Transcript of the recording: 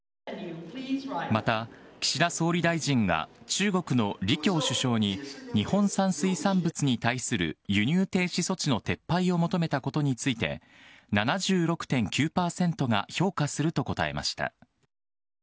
また、岸田総理大臣が中国の李強首相に日本産水産物に対する輸入停止措置の撤廃を求めたことについて、７６．９％が評価すると答えました。